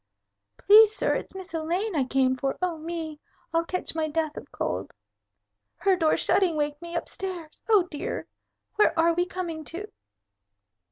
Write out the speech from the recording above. "Please, sir, it's Miss Elaine I came for. Oh, me! I'll catch my death of cold. Her door shutting waked me up stairs. Oh, dear! Where are we coming to?"